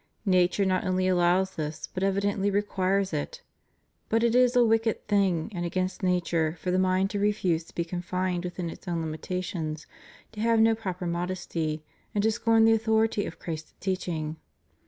Nature not only allows this, but evidently requires it. But it is a w^icked thing and against nature for the mind to refuse to be confined within its own limitations, to have no proper modesty, and to scorn the authority of Christ's teaching.